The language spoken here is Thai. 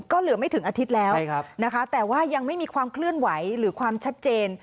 ก็เหลือไม่ถึงอาทิตย์แล้วนะคะแต่ว่ายังไม่มีความเคลื่อนไหวหรือความชัดเจน